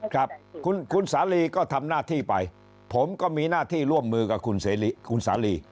ครับคุณสาลีก็ทำหน้าที่ไปผมก็มีหน้าที่ร่วมมือกับคุณสาลี